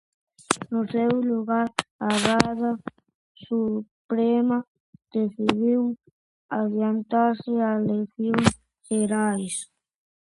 En su lugar, la Rada Suprema decidió adelantar las elecciones generales.